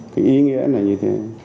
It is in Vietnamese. cái ý nghĩa là như thế